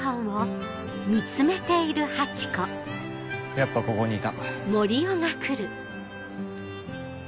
やっぱここにいた。